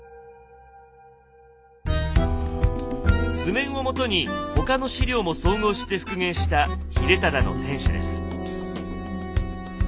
図面をもとに他の史料も総合して復元した秀忠の天守です。